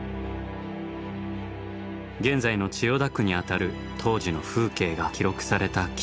現在の千代田区にあたる当時の風景が記録された貴重な映像。